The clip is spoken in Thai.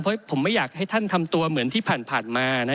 เพราะผมไม่อยากให้ท่านทำตัวเหมือนที่ผ่านมา